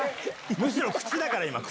むしろ口だから、口。